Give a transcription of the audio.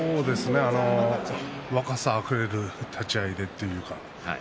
若さあふれる立ち合いでした。